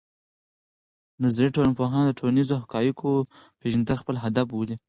نظري ټولنپوهنه د ټولنیزو حقایقو پېژندل خپل هدف بولي.